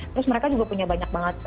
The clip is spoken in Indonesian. terus mereka juga punya banyak banget